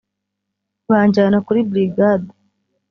banjyana kuri brigade